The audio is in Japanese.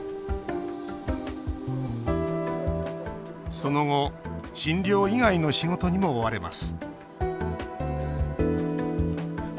その後診療以外の仕事にも追われます。